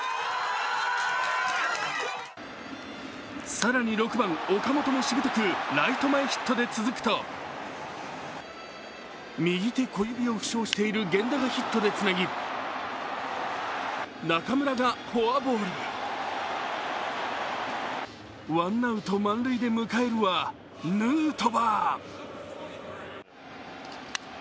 更に６番・岡本もしぶとくライト前ヒットで続くと、右手小指を負傷している源田のヒットでつなぎ中村がフォアボール。ワンアウト満塁で迎えるはヌートバー。